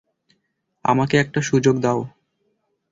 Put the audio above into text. আমাকে একটা সুযোগ দাও।